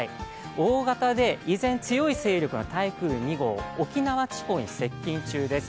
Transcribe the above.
大型で依然強い勢力の台風２号、沖縄地方に接近中です。